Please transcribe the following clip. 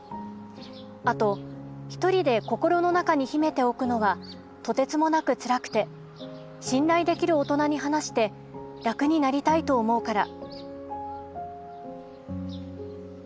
あと一人で心の中に秘めておくのはとてつもなく辛くて信頼出来る大人に話して楽になりたいと思うから」。